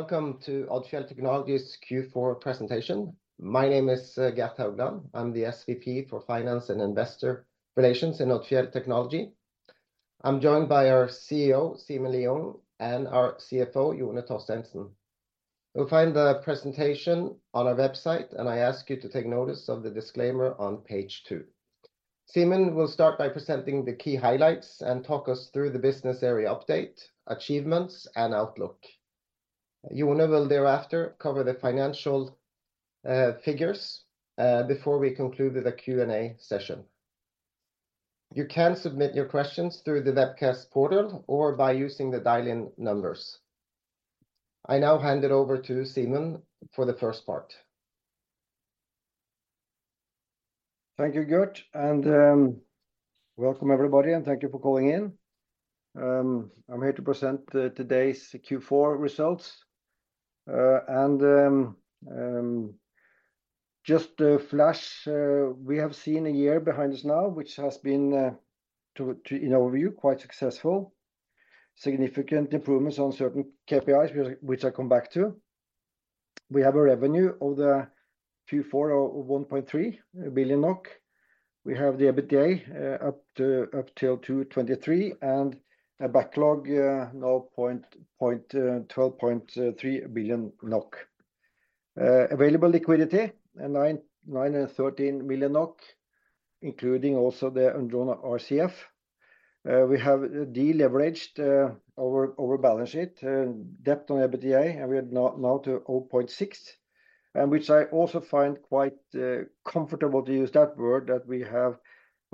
Welcome to Odfjell Technology's Q4 presentation. My name is Gert Haugland. I'm the SVP for Finance and Investor Relations in Odfjell Technology. I'm joined by our CEO, Simen Lieungh, and our CFO, Jone Torstensen. You'll find the presentation on our website, and I ask you to take notice of the disclaimer on page two. Simen will start by presenting the key highlights and talk us through the business area update, achievements, and outlook. Jone will thereafter cover the financial figures before we conclude with a Q&A session. You can submit your questions through the webcast portal or by using the dial-in numbers. I now hand it over to Simen for the first part. Thank you, Gert, and welcome, everybody, and thank you for calling in. I'm here to present today's Q4 results. And just to flash, we have seen a year behind us now, which has been in overview quite successful. Significant improvements on certain KPIs, which I'll come back to. We have a revenue of Q4 of 1.3 billion NOK. We have the EBITDA up to 223 million, and a backlog now 12.3 billion NOK. Available liquidity 99 million NOK and 13 million NOK, including also the undrawn RCF. We have deleveraged our balance sheet and debt on EBITDA, and we are now to 0.6%, and which I also find quite comfortable to use that word, that we have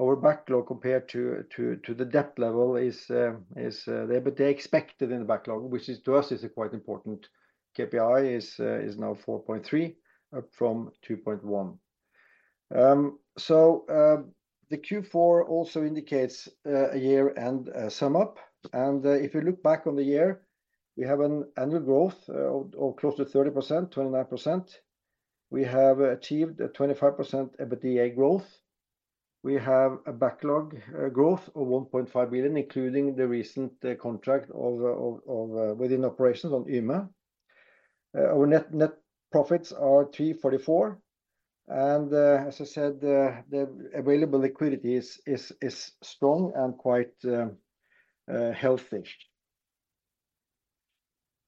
our backlog compared to the debt level is there, but they expected in the backlog, which is, to us, a quite important KPI, is now 4.3%, up from 2.1%. So, the Q4 also indicates a year and sum up. If you look back on the year, we have an annual growth of close to 30%, 29%. We have achieved a 25% EBITDA growth. We have a backlog growth of 1.5 billion, including the recent contract within operations on Yme. Our net profits are 344 million, and, as I said, the available liquidity is strong and quite healthy.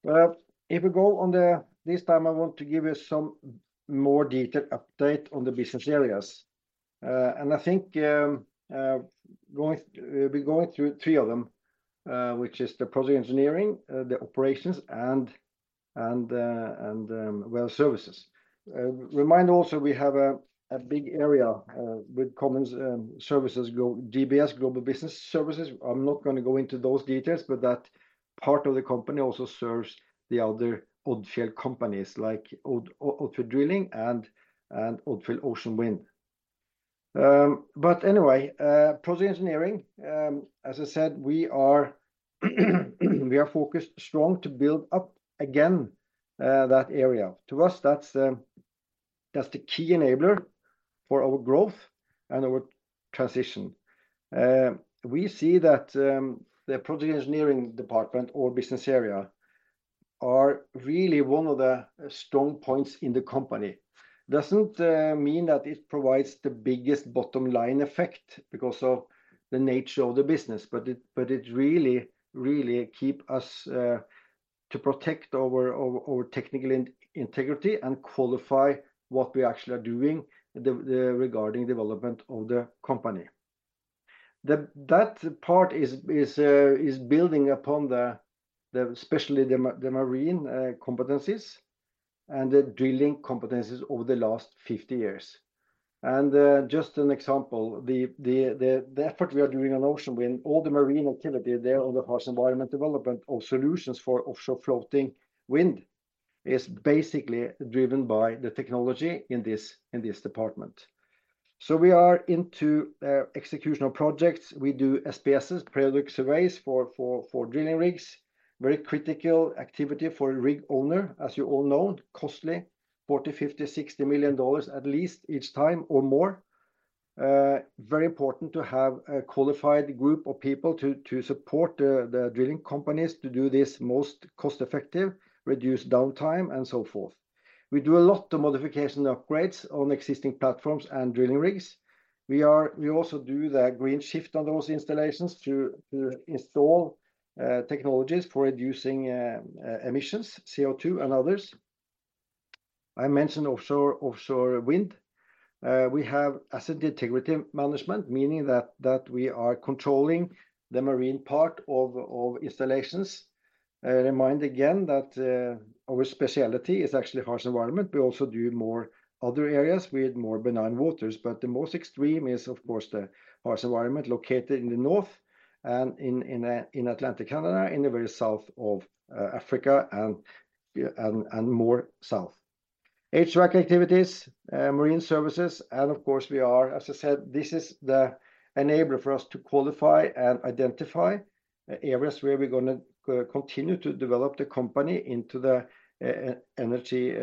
Well, this time, I want to give you some more detailed update on the business areas. And I think, we'll be going through three of them, which is the project engineering, the operations, and well services. Remind also, we have a big area with common services, GBS, Global Business Services. I'm not gonna go into those details, but that part of the company also serves the other Odfjell companies, like Odfjell Drilling and Odfjell Oceanwind. But anyway, project engineering, as I said, we are focused strong to build up again, that area. To us, that's, that's the key enabler for our growth and our transition. We see that, the project engineering department or business area are really one of the strong points in the company. Doesn't mean that it provides the biggest bottom line effect because of the nature of the business, but it, but it really, really keep us to protect our technical integrity and qualify what we actually are doing regarding development of the company. That part is building upon the, especially the marine competencies and the drilling competencies over the last 50 years. Just an example, the effort we are doing on Oceanwind with all the marine activity there on the harsh environment development of solutions for offshore floating wind is basically driven by the technology in this department. So we are into executional projects. We do SPS, periodic surveys for drilling rigs. Very critical activity for a rig owner, as you all know. Costly, $40 million-$60 million, at least each time or more. Very important to have a qualified group of people to support the drilling companies to do this most cost-effective, reduce downtime, and so forth. We do a lot of modification upgrades on existing platforms and drilling rigs. We also do the green shift on those installations to install technologies for reducing emissions, CO2 and others. I mentioned offshore, offshore wind. We have asset integrity management, meaning that we are controlling the marine part of installations. Remind again that our speciality is actually harsh environment. We also do more other areas with more benign waters, but the most extreme is, of course, the harsh environment located in the north and in Atlantic Canada, in the very south of Africa and more south. HVAC activities, marine services, and of course, we are, as I said, this is the enabler for us to qualify and identify areas where we're gonna continue to develop the company into the energy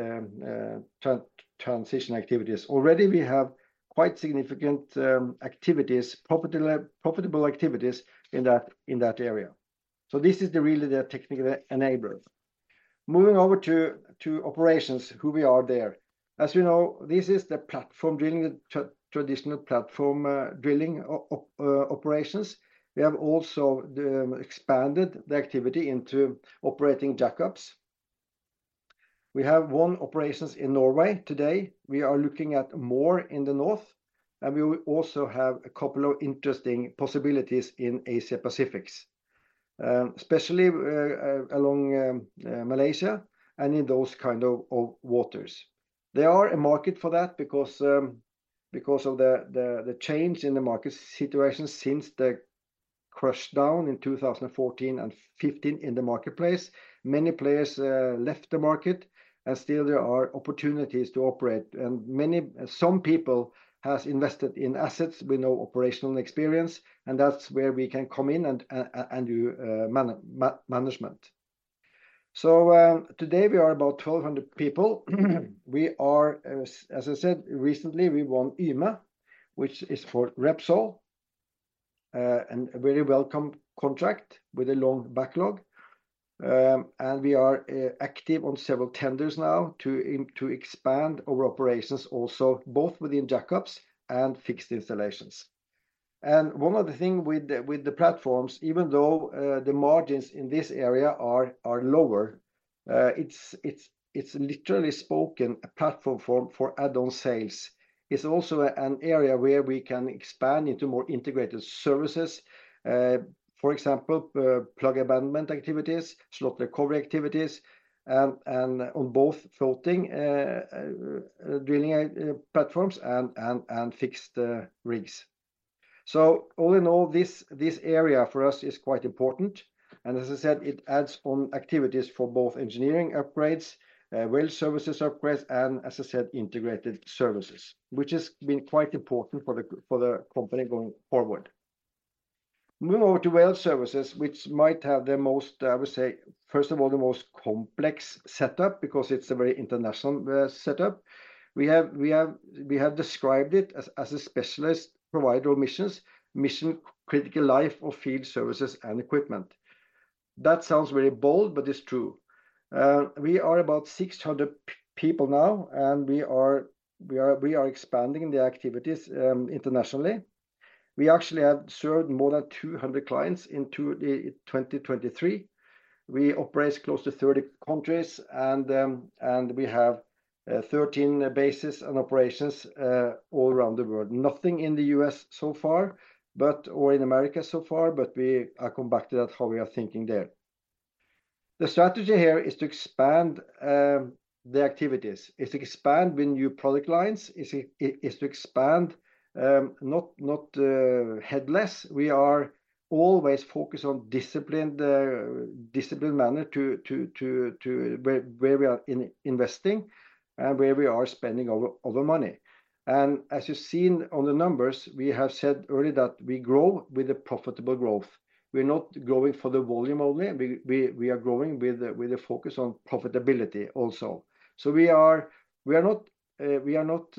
transition activities. Already, we have quite significant activities, profitable activities in that area. So this is really the technical enabler.... Moving over to operations, who we are there. As you know, this is the platform drilling, the traditional platform drilling operations. We have also expanded the activity into operating jackups. We have one operations in Norway today. We are looking at more in the north, and we will also have a couple of interesting possibilities in Asia-Pacific, especially along Malaysia and in those kind of waters. There are a market for that because of the change in the market situation since the crash down in 2014 and 2015 in the marketplace. Many players left the market, and still there are opportunities to operate, and many—some people has invested in assets with no operational experience, and that's where we can come in and and do management. So, today we are about 1,200 people. We are, as I said, recently, we won Yme, which is for Repsol, and a very welcome contract with a long backlog. And we are active on several tenders now to expand our operations also, both within jackups and fixed installations. And one other thing with the platforms, even though the margins in this area are lower, it's literally spoken a platform for add-on sales. It's also an area where we can expand into more integrated services. For example, plug and abandonment activities, slot recovery activities, and on both floating drilling platforms and fixed rigs. So all in all, this area for us is quite important, and as I said, it adds on activities for both engineering upgrades, well services upgrades, and as I said, integrated services, which has been quite important for the company going forward. Moving on to well services, which might have the most, I would say, first of all, the most complex setup because it's a very international setup. We have described it as a specialist provider of mission-critical life of field services and equipment. That sounds very bold, but it's true. We are about 600 people now, and we are expanding the activities internationally. We actually have served more than 200 clients in 2023. We operate close to 30 countries, and we have 13 bases and operations all around the world. Nothing in the U.S. so far, but or in America so far, but we are come back to that, how we are thinking there. The strategy here is to expand the activities. It's to expand with new product lines. It is to expand not headless. We are always focused on disciplined manner to where we are investing and where we are spending our money. And as you've seen on the numbers, we have said earlier that we grow with the profitable growth. We're not growing for the volume only. We are growing with a focus on profitability also. So we are not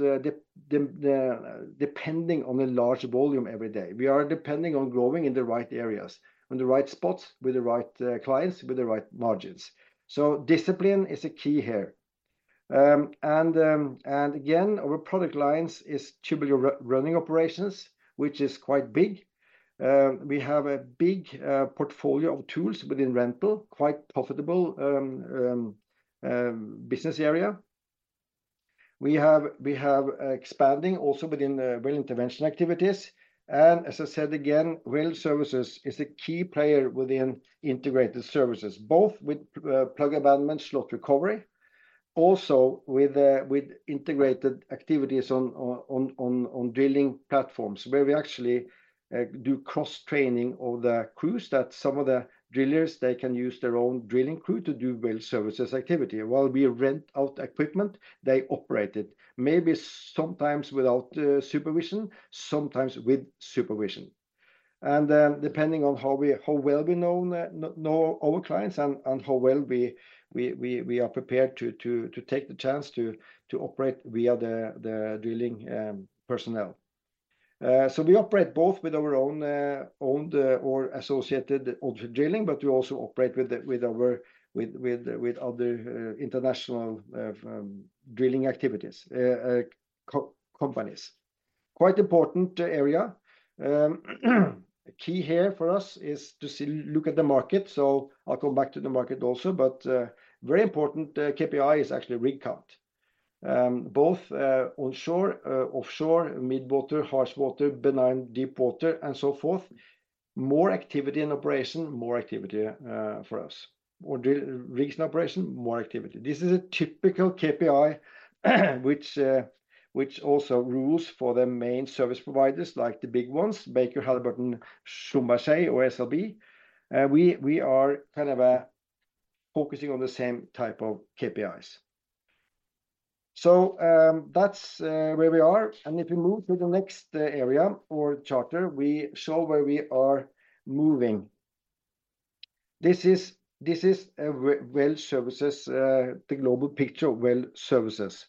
depending on a large volume every day. We are depending on growing in the right areas, on the right spots, with the right clients, with the right margins. So discipline is a key here. And again, our product lines is tubular running operations, which is quite big. We have a big portfolio of tools within rental, quite profitable business area. We have expanding also within the well intervention activities, and as I said again, well services is a key player within integrated services, both with plug abandonment, slot recovery, also with integrated activities on drilling platforms, where we actually do cross-training of the crews, that some of the drillers, they can use their own drilling crew to do well services activity. While we rent out equipment, they operate it, maybe sometimes without supervision, sometimes with supervision. Depending on how well we know our clients and how well we are prepared to take the chance to operate via the drilling personnel. So we operate both with our own owned or associated Odfjell Drilling, but we also operate with our other international drilling activities, companies. Quite important area. Key here for us is to see... look at the market, so I'll come back to the market also. But very important KPI is actually rig count. Both onshore, offshore, mid-water, harsh water, benign, deep water, and so forth. More activity in operation, more activity for us. More rigs in operation, more activity. This is a typical KPI, which also rules for the main service providers, like the big ones, Baker, Halliburton, Schlumberger or SLB. We are kind of focusing on the same type of KPIs. So, that's where we are, and if we move to the next area or chapter, we show where we are moving. This is well services, the global picture of well services.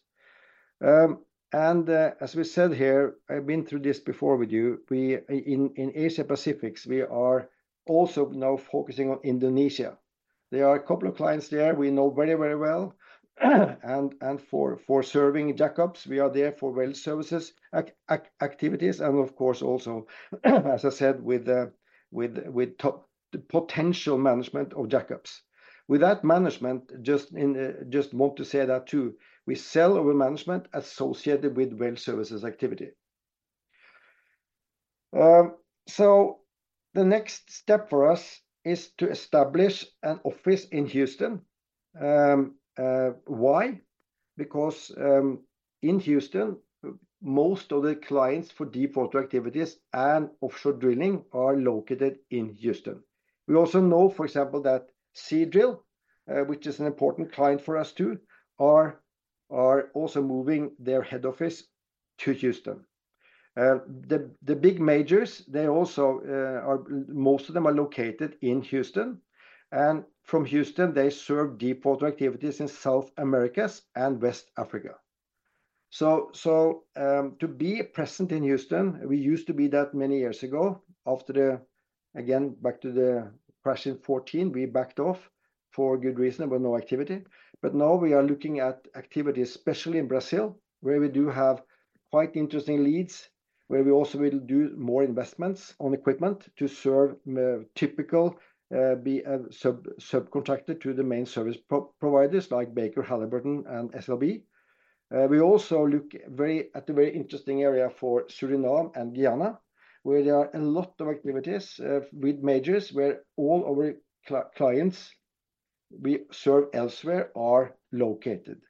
And as we said here, I've been through this before with you. We in Asia-Pacific are also now focusing on Indonesia. There are a couple of clients there we know very, very well. And for serving jackups, we are there for well services activities and of course also, as I said, with potential management of jackups. With that management, just want to say that too, we sell our management associated with well services activity. So the next step for us is to establish an office in Houston. Why? Because in Houston, most of the clients for deepwater activities and offshore drilling are located in Houston. We also know, for example, that Seadrill, which is an important client for us too, are also moving their head office to Houston. The big majors, they also most of them are located in Houston, and from Houston, they serve deepwater activities in South Americas and West Africa. So to be present in Houston, we used to be that many years ago. After again, back to the crash in 2014, we backed off for a good reason, there were no activity. But now we are looking at activities, especially in Brazil, where we do have quite interesting leads, where we also will do more investments on equipment to serve, typical, be a sub-contractor to the main service providers like Baker, Halliburton, and SLB. We also look at a very interesting area for Suriname and Guyana, where there are a lot of activities, with majors where all our clients we serve elsewhere are located.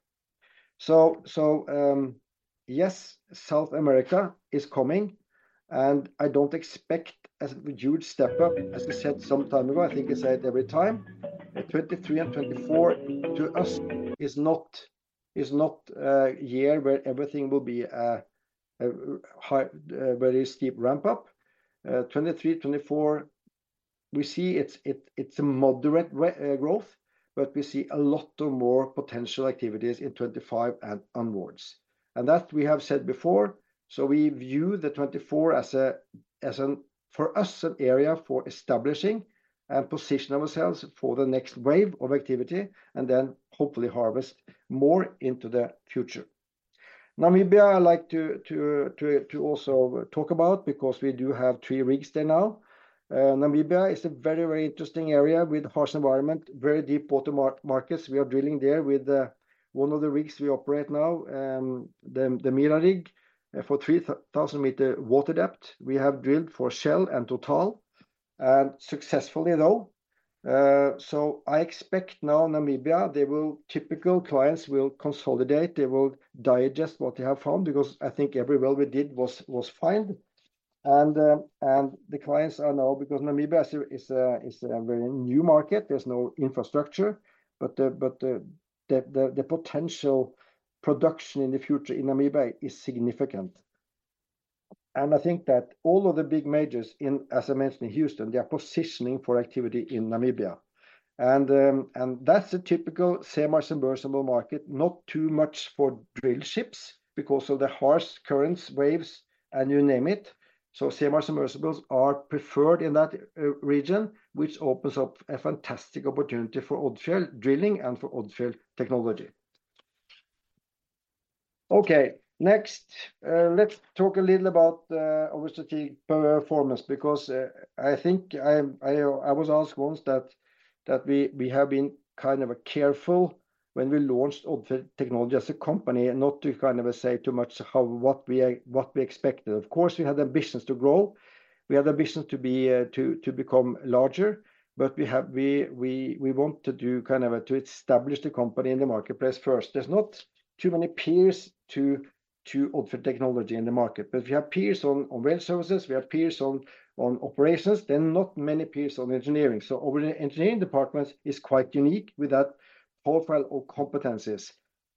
So, yes, South America is coming, and I don't expect a huge step up. As I said some time ago, I think I say it every time, 2023 and 2024 to us is not, is not a year where everything will be a high, a very steep ramp up. 2023, 2024, we see it's a moderate growth, but we see a lot more potential activities in 2025 and onwards. And that we have said before, so we view the 2024, for us, an area for establishing and position ourselves for the next wave of activity, and then hopefully harvest more into the future. Namibia, I like to also talk about, because we do have three rigs there now. Namibia is a very, very interesting area with harsh environment, very deep water markets. We are drilling there with one of the rigs we operate now, the West Mira, for 3,000-meter water depth. We have drilled for Shell and Total, and successfully though. So I expect now Namibia, typical clients will consolidate, they will digest what they have found, because I think every well we did was fine. And the clients are now, because Namibia is a very new market, there's no infrastructure, but the potential production in the future in Namibia is significant. And I think that all of the big majors in, as I mentioned in Houston, they are positioning for activity in Namibia. And that's a typical semi-submersible market, not too much for drill ships because of the harsh currents, waves, and you name it. So semi-submersibles are preferred in that region, which opens up a fantastic opportunity for Odfjell Drilling and for Odfjell Technology. Okay, next, let's talk a little about our strategic performance, because I think I was asked once that we have been kind of careful when we launched Odfjell Technology as a company, not to kind of say too much how or what we expected. Of course, we have the ambitions to grow. We have the ambition to be, to become larger, but we want to do kind of to establish the company in the marketplace first. There's not too many peers to Odfjell Technology in the market, but we have peers on well services, we have peers on operations, then not many peers on engineering. So our engineering department is quite unique with that profile of competencies.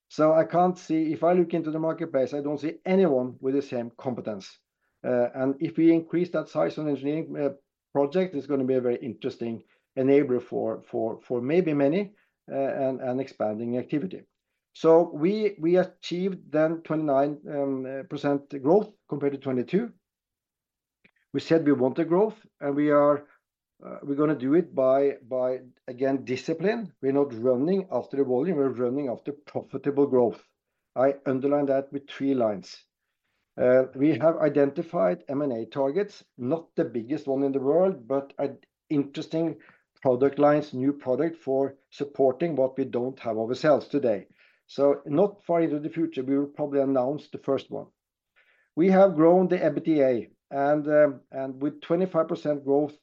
So I can't see, If I look into the marketplace, I don't see anyone with the same competence. And if we increase that size on engineering project, it's gonna be a very interesting enabler for maybe many and expanding activity. So we achieved then 29% growth compared to 2022. We said we want a growth, and we are, we're gonna do it by again discipline. We're not running after the volume, we're running after profitable growth. I underline that with three lines. We have identified M&A targets, not the biggest one in the world, but an interesting product lines, new product for supporting what we don't have ourselves today. So not far into the future, we will probably announce the first one. We have grown the EBITDA, and with 25% growth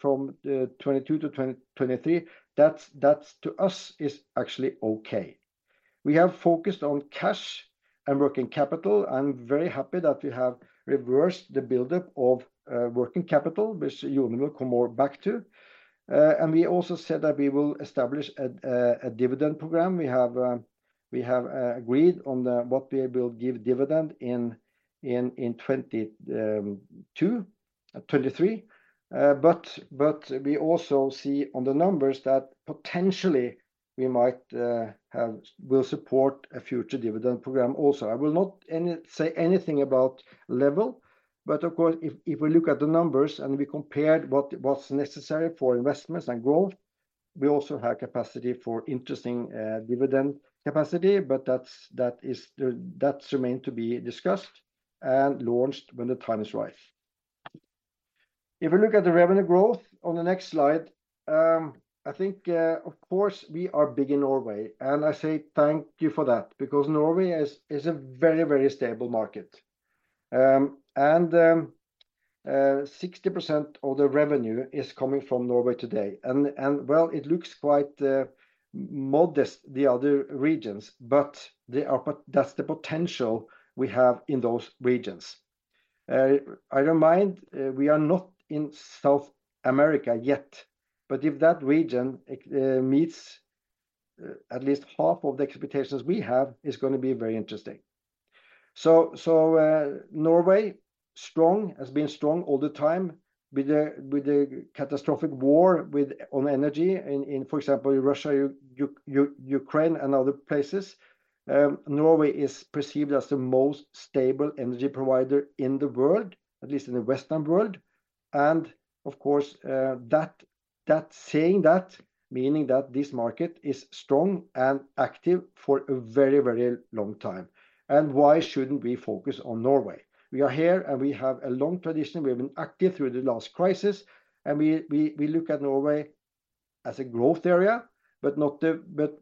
from 2022 to 2023, that's to us actually okay. We have focused on cash and working capital. I'm very happy that we have reversed the buildup of working capital, which Jone will come more back to. And we also said that we will establish a dividend program. We have agreed on what we will give dividend in 2023. But we also see on the numbers that potentially we might will support a future dividend program also. I will not say anything about level, but of course, if we look at the numbers and we compare what's necessary for investments and growth, we also have capacity for interesting dividend capacity. But that remains to be discussed and launched when the time is right. If we look at the revenue growth on the next slide, I think, of course, we are big in Norway, and I say thank you for that, because Norway is a very, very stable market. 60% of the revenue is coming from Norway today, and it looks quite modest, the other regions, but that's the potential we have in those regions. I remind, we are not in South America yet, but if that region meets at least half of the expectations we have, it's gonna be very interesting. Norway, strong, has been strong all the time with the catastrophic war on energy in, for example, Russia, Ukraine, and other places. Norway is perceived as the most stable energy provider in the world, at least in the Western world. And of course, that saying that, meaning that this market is strong and active for a very, very long time, and why shouldn't we focus on Norway? We are here, and we have a long tradition. We have been active through the last crisis, and we look at Norway as a growth area, but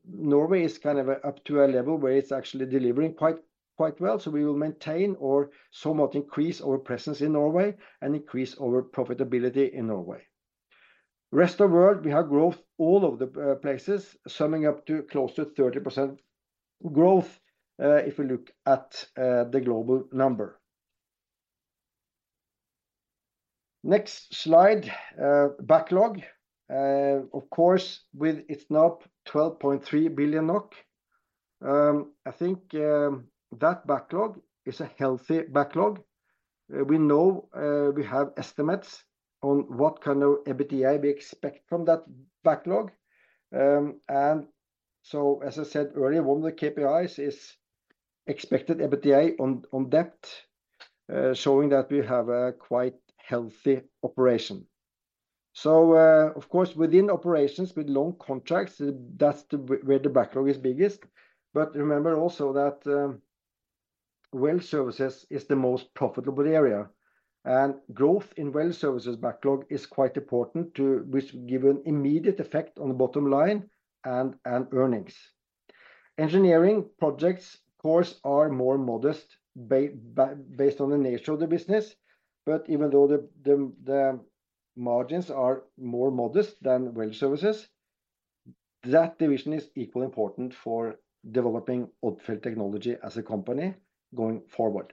Norway is kind of up to a level where it's actually delivering quite well. So we will maintain or somewhat increase our presence in Norway and increase our profitability in Norway. Rest of world, we have growth all over the places, summing up to close to 30% growth, if we look at the global number. Next slide, backlog. Of course, with it's now 12.3 billion NOK. I think that backlog is a healthy backlog. We know we have estimates on what kind of EBITDA we expect from that backlog. And so as I said earlier, one of the KPIs is expected EBITDA on, on debt, showing that we have a quite healthy operation. So, of course, within operations, with long contracts, that's the where the backlog is biggest. But remember also that well services is the most profitable area, and growth in well services backlog is quite important to, which give an immediate effect on the bottom line and earnings. Engineering projects, of course, are more modest based on the nature of the business, but even though the margins are more modest than well services, that division is equally important for developing Odfjell Technology as a company going forward.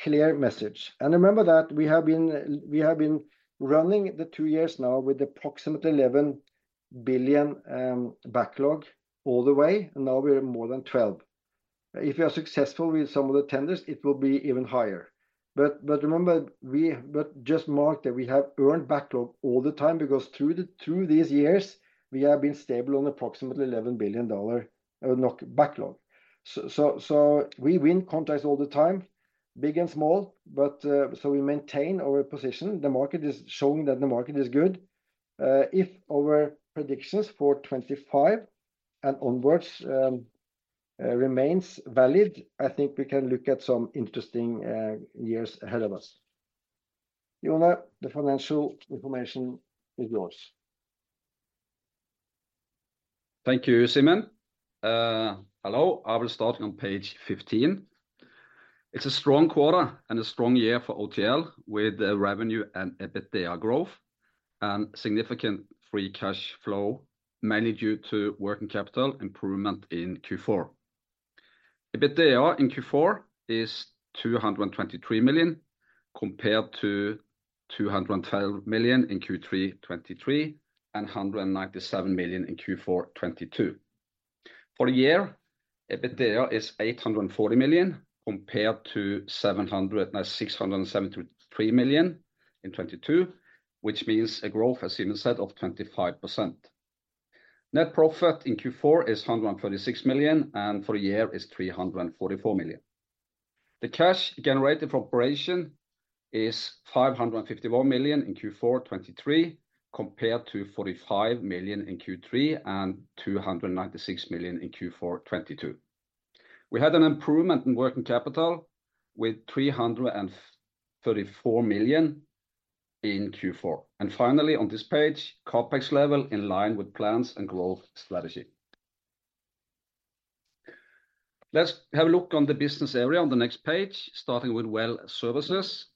Clear message. Remember that we have been running the two years now with approximately 11 billion backlog all the way, and now we're more than 12 billion. If you are successful with some of the tenders, it will be even higher. But remember, just mark that we have earned backlog all the time, because through these years, we have been stable on approximately NOK 11 billion backlog. So we win contracts all the time, big and small, but so we maintain our position. The market is showing that the market is good. If our predictions for 2025 and onward remains valid, I think we can look at some interesting years ahead of us. Jone, the financial information is yours. Thank you, Simen. Hello, I will start on page 15. It's a strong quarter and a strong year for OTL, with revenue and EBITDA growth and significant free cash flow, mainly due to working capital improvement in Q4. EBITDA in Q4 is 223 million, compared to 212 million in Q3 2023, and 197 million in Q4 2022. For the year, EBITDA is 840 million, compared to 700 million, no, 673 million in 2022, which means a growth, as Simen said, of 25%. Net profit in Q4 is 136 million, and for the year is 344 million. The cash generated from operation is 551 million in Q4 2023, compared to 45 million in Q3 and 296 million in Q4 2022. We had an improvement in working capital with 334 million in Q4. And finally, on this page, CapEx level in line with plans and growth strategy. Let's have a look on the business area on the next page, starting with Well Services.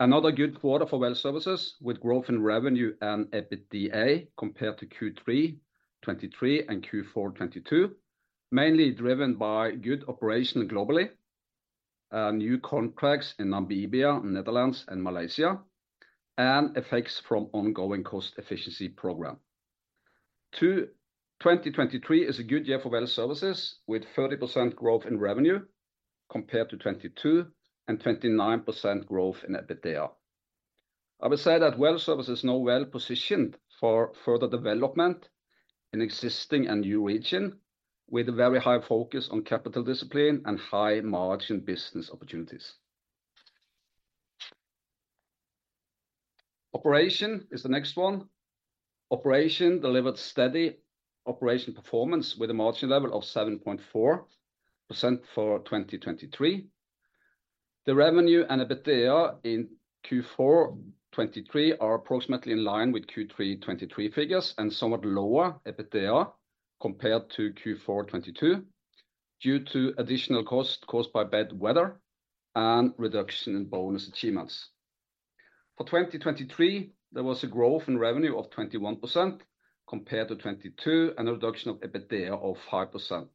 Another good quarter for Well Services, with growth in revenue and EBITDA compared to Q3 2023 and Q4 2022, mainly driven by good operation globally, new contracts in Namibia, Netherlands, and Malaysia, and effects from ongoing cost efficiency program. 2023 is a good year for Well Services, with 30% growth in revenue compared to 2022, and 29% growth in EBITDA. I would say that Well Services is now well-positioned for further development in existing and new region, with a very high focus on capital discipline and high-margin business opportunities. Operation is the next one. Operations delivered steady operations performance with a margin level of 7.4% for 2023. The revenue and EBITDA in Q4 2023 are approximately in line with Q3 2023 figures, and somewhat lower EBITDA compared to Q4 2022, due to additional costs caused by bad weather and reduction in bonus achievements. For 2023, there was a growth in revenue of 21% compared to 2022, and a reduction of EBITDA of 5%.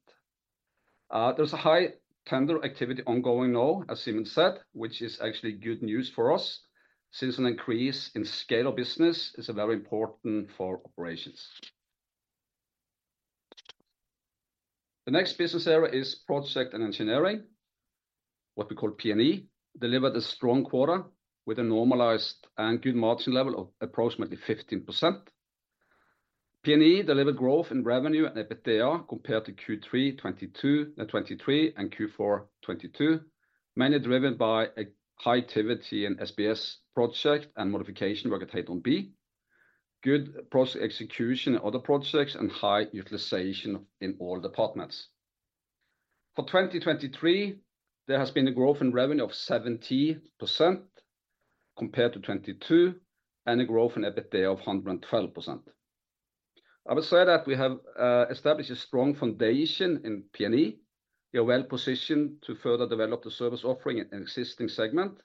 There's a high tender activity ongoing now, as Simen said, which is actually good news for us, since an increase in scale of business is a very important for operations. The next business area is Project & Engineering, what we call P&E, delivered a strong quarter with a normalized and good margin level of approximately 15%. P&E delivered growth in revenue and EBITDA compared to Q3 2022, 2023 and Q4 2022, mainly driven by a high activity in SPS project and modification work at Aasta Hansteen. Good project execution in other projects, and high utilization in all departments. For 2023, there has been a growth in revenue of 70% compared to 2022, and a growth in EBITDA of 112%. I would say that we have established a strong foundation in P&E. We are well positioned to further develop the service offering in an existing segment,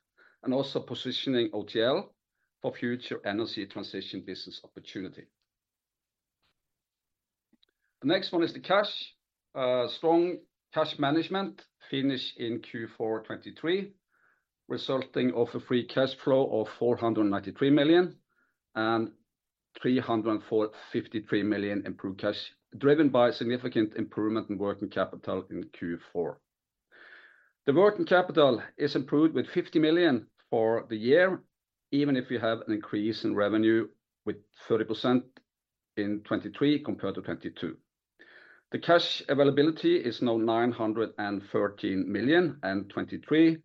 and also positioning OTL for future energy transition business opportunity. The next one is the cash. Strong cash management finished in Q4 2023, resulting in a free cash flow of 493 million, and 353 million improved cash, driven by significant improvement in working capital in Q4. The working capital is improved with 50 million for the year, even if you have an increase in revenue with 30% in 2023 compared to 2022. The cash availability is now 913 million in 2023,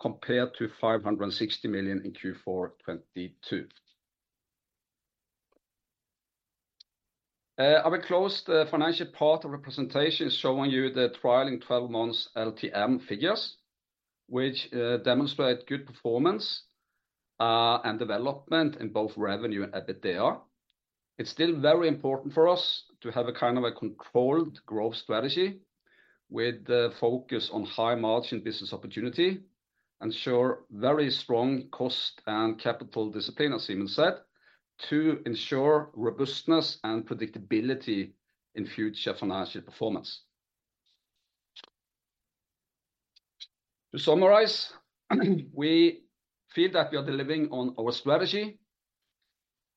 compared to 560 million in Q4 2022. I will close the financial part of the presentation, showing you the trailing twelve months LTM figures, which demonstrate good performance and development in both revenue and EBITDA. It's still very important for us to have a kind of a controlled growth strategy with the focus on high margin business opportunity, ensure very strong cost and capital discipline, as Simen said, to ensure robustness and predictability in future financial performance. To summarize, we feel that we are delivering on our strategy.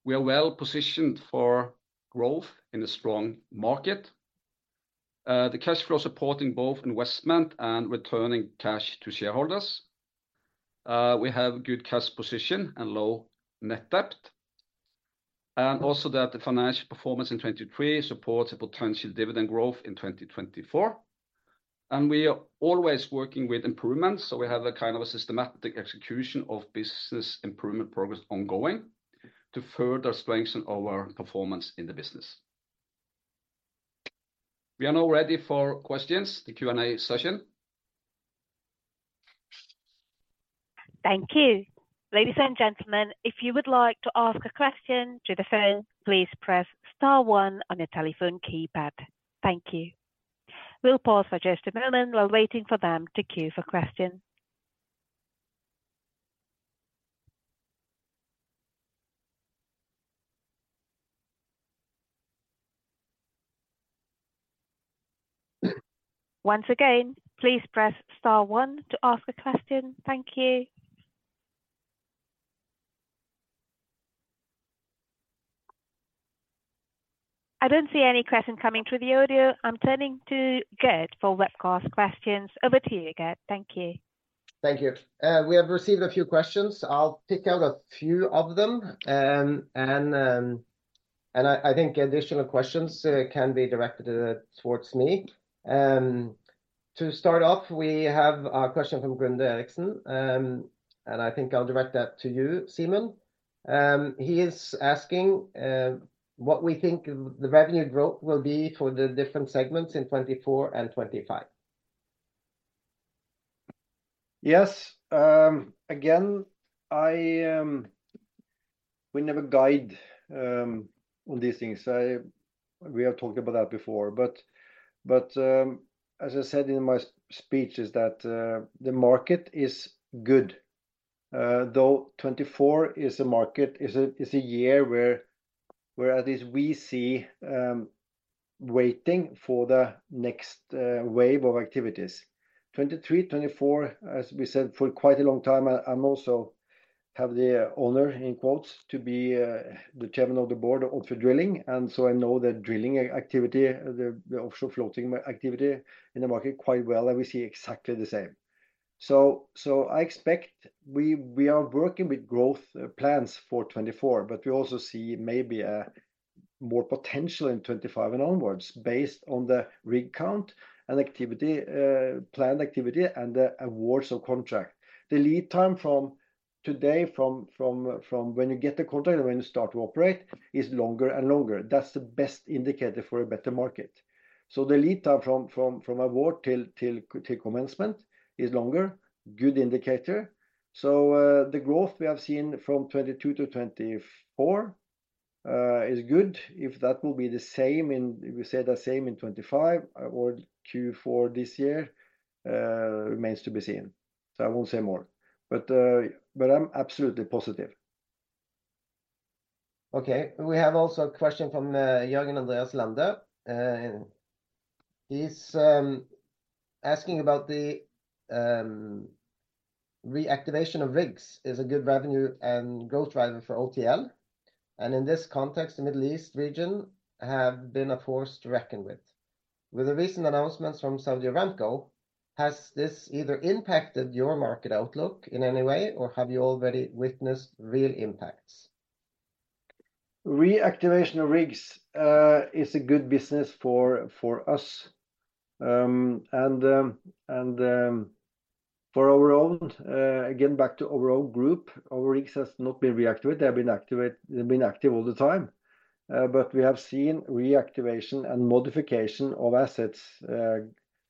We are well positioned for growth in a strong market. The cash flow supporting both investment and returning cash to shareholders. We have good cash position and low net debt, and also that the financial performance in 2023 supports a potential dividend growth in 2024. We are always working with improvements, so we have a kind of a systematic execution of business improvement progress ongoing to further strengthen our performance in the business. We are now ready for questions, the Q&A session. Thank you. Ladies and gentlemen, if you would like to ask a question through the phone, please press star one on your telephone keypad. Thank you. We'll pause for just a moment while waiting for them to queue for questions. Once again, please press star one to ask a question. Thank you. I don't see any questions coming through the audio. I'm turning to Gert for webcast questions. Over to you, Gert. Thank you. Thank you. We have received a few questions. I'll pick out a few of them, and I think additional questions can be directed towards me. To start off, we have a question from Grande Erickson, and I think I'll direct that to you, Simen. He is asking what we think the revenue growth will be for the different segments in 2024 and 2025. Yes. Again, I, we never guide on these things. I. We have talked about that before. But, but, as I said in my speech, is that, the market is good. Though 2024 is a market, is a, is a year where, where at least we see waiting for the next wave of activities. 2023, 2024, as we said, for quite a long time, I, I'm also have the honor, in quotes, to be the chairman of the board of drilling, and so I know the drilling activity, the, the offshore floating activity in the market quite well, and we see exactly the same. So I expect we are working with growth plans for 2024, but we also see maybe a more potential in 2025 and onwards, based on the rig count and activity, planned activity and the awards of contract. The lead time from today, from when you get the contract and when you start to operate, is longer and longer. That's the best indicator for a better market. So the lead time from award till commencement is longer, good indicator. So the growth we have seen from 2022 to 2024 is good. If that will be the same in 2025 or Q4 this year, remains to be seen. So I won't say more, but I'm absolutely positive. Okay. We have also a question from Jørgen Andreas Lande. And he's asking about the reactivation of rigs is a good revenue and growth driver for OTL, and in this context, the Middle East region have been a force to reckon with. With the recent announcements from Saudi Aramco, has this either impacted your market outlook in any way, or have you already witnessed real impacts? Reactivation of rigs is a good business for us, and for our own group, again, back to our own group, our rigs has not been reactivated. They've been active all the time, but we have seen reactivation and modification of assets.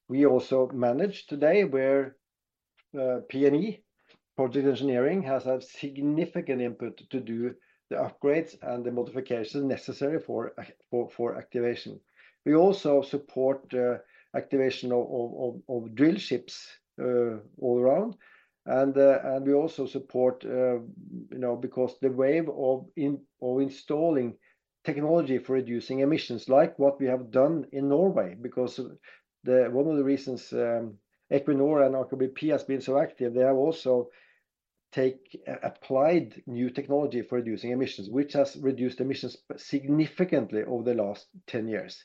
We also manage today where P&E, Projects & Engineering, has a significant input to do the upgrades and the modifications necessary for activation. We also support activation of drill ships all around. We also support, you know, because the wave of installing technology for reducing emissions, like what we have done in Norway because one of the reasons Equinor and BP has been so active, they have also applied new technology for reducing emissions, which has reduced emissions significantly over the last 10 years.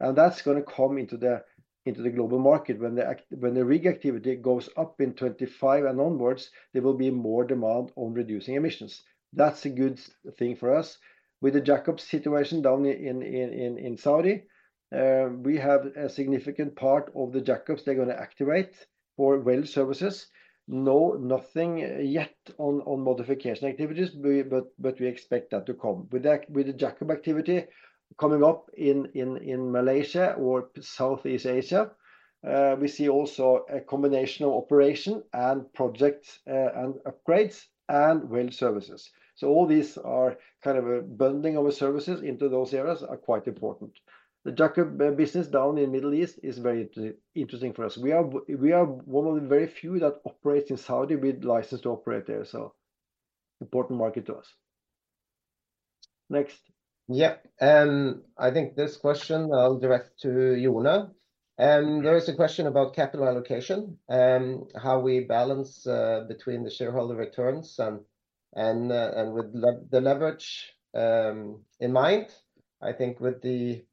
And that's gonna come into the global market. When the rig activity goes up in 2025 and onwards, there will be more demand on reducing emissions. That's a good thing for us. With the jackup situation down in Saudi, we have a significant part of the jackups they're gonna activate for well services. Nothing yet on modification activities, but we expect that to come. With the jackup activity coming up in Malaysia or Southeast Asia, we see also a combination of operation and projects, and upgrades and well services. So all these are kind of a bundling of services into those areas are quite important. The jackup business down in Middle East is very interesting for us. We are one of the very few that operates in Saudi, with license to operate there, so important market to us. Next. Yeah, I think this question I'll direct to Jone. There is a question about capital allocation and how we balance between the shareholder returns, and with the leverage. In my mind, I think with the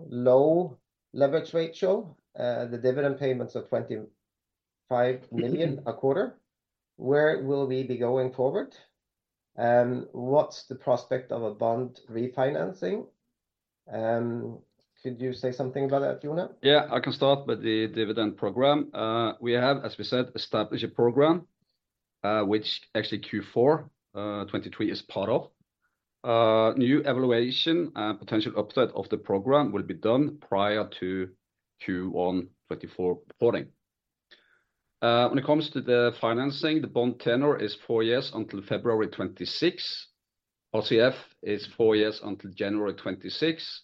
low leverage ratio, the dividend payments of 25 million a quarter, where will we be going forward, and what's the prospect of a bond refinancing? Could you say something about that, Jone? Yeah, I can start with the dividend program. We have, as we said, established a program, which actually Q4 2023 is part of. New evaluation and potential update of the program will be done prior to Q1 2024 reporting. When it comes to the financing, the bond tenor is four years until February 2026. RCF is four years until January 2026.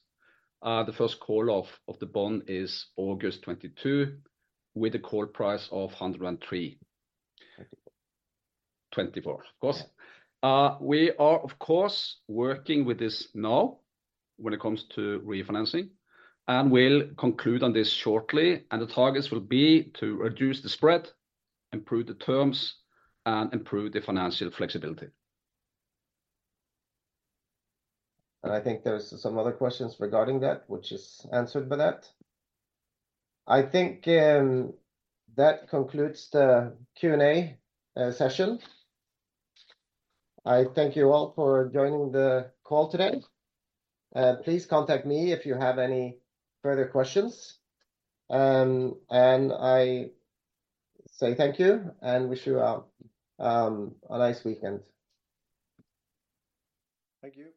The first call of the bond is August 2022, with a call price of 103. 2024. 2024, of course. We are, of course, working with this now when it comes to refinancing, and we'll conclude on this shortly, and the targets will be to reduce the spread, improve the terms, and improve the financial flexibility. I think there's some other questions regarding that, which is answered by that. I think that concludes the Q&A session. I thank you all for joining the call today, and please contact me if you have any further questions. And I say thank you and wish you a nice weekend. Thank you.